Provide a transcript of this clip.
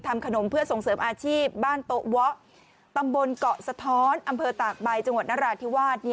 ทำขนมเพื่อส่งเสริมอาชีพบ้านโต๊ะเวาะตำบลเกาะสะท้อนอำเภอตากใบจังหวัดนราธิวาส